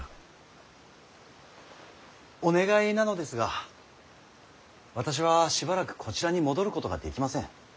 お願いなのですが私はしばらくこちらに戻ることができません。